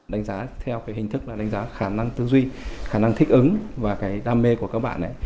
đánh giá theo hình thức là đánh giá khả năng tư duy khả năng thích ứng và đam mê của các bạn